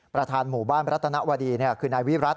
ประธานหมู่บ้านรัตนวดีคือนายวิรัติ